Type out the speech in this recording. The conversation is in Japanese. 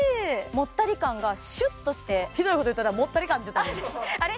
もったり感がシュッとしてひどいこと言ったなもったり感って言った今あれ？